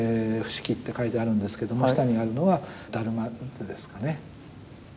「不識」って書いてあるんですけど下にあるのは達磨図ですかね。